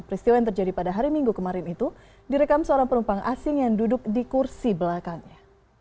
peristiwa yang terjadi pada hari minggu kemarin itu direkam seorang penumpang asing yang duduk di kursi belakangnya